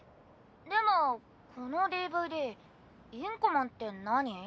でもこのＤＶＤ「インコマン」って何？